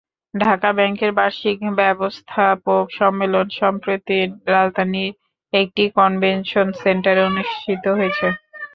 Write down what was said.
ঢাকা ব্যাংকের বার্ষিক ব্যবস্থাপক সম্মেলন সম্প্রতি রাজধানীর একটি কনভেনশন সেন্টারে অনুষ্ঠিত হয়েছে।